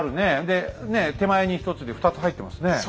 で手前に１つで２つ入ってますね。